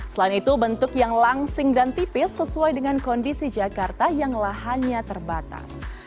selain itu bentuk yang langsing dan tipis sesuai dengan kondisi jakarta yang lahannya terbatas